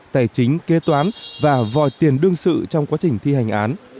tài chính kế toán và vòi tiền đương sự trong quá trình thi hành án